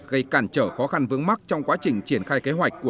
gây cản trở khó khăn vướng mắt trong quá trình triển khai kế hoạch của